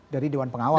dari dewan pengawas